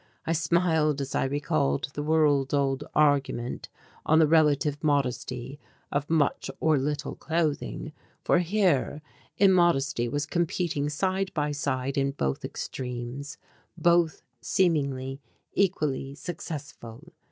I smiled as I recalled the world old argument on the relative modesty of much or little clothing, for here immodesty was competing side by side in both extremes, both seemingly equally successful.